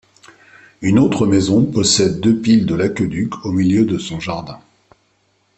Une autre maison possède deux piles de l'aqueduc au milieu de son jardin.